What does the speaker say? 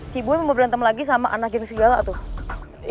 si ibu mau berantem lagi sama anak yang segala tuh